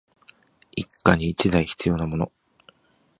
一家に一台必要なもの